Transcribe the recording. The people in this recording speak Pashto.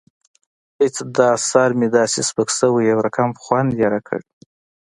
هېڅ دا سر مې داسې سپک سوى يو رقم خوند يې راکړى.